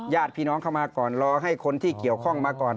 ญาติพี่น้องเข้ามาก่อนรอให้คนที่เกี่ยวข้องมาก่อน